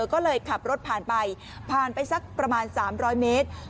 ก็เลยขับรถผ่านไปผ่านไปสักประมาณ๓๐๐เมตร